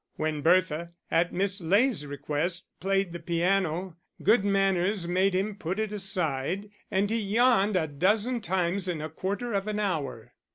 When Bertha, at Miss Ley's request, played the piano, good manners made him put it aside, and he yawned a dozen times in a quarter of an hour.